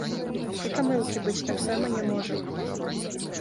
І памылкі быць таксама не можа.